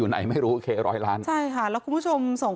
เราจะคิดว่าครั้งที่แล้วไม่อันตรายหรอก